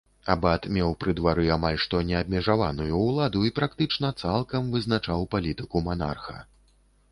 Абат меў пры двары амаль што неабмежаваную ўладу і практычна цалкам вызначаў палітыку манарха.